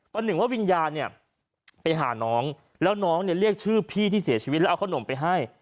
หนึ่งว่าวิญญาณเนี่ยไปหาน้องแล้วน้องเนี่ยเรียกชื่อพี่ที่เสียชีวิตแล้วเอาขนมไปให้